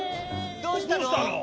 どうしたの？